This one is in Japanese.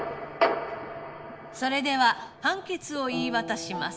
それでは判決を言い渡します。